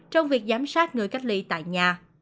trong việc giám sát người cách ly tại nhà